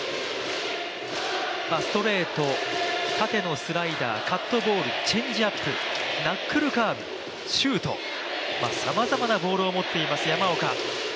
ストレート、縦のスライダーカットボールチェンジアップ、ナックルカーブ、シュートさまざまなボールを持っています山岡。